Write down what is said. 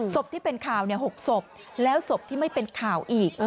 ที่เป็นข่าว๖ศพแล้วศพที่ไม่เป็นข่าวอีก